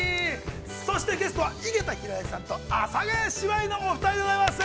そしてゲストは、井桁弘恵さんと阿佐ヶ谷姉妹のお二人でございます。